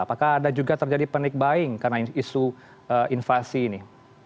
apakah ada juga terjadi panic buying karena isu invasi ini